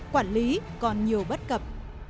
quản lý còn nhiều bất cập